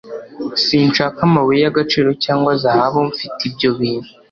Sinshaka amabuye y'agaciro cyangwa zahabu. Mfite ibyo bintu.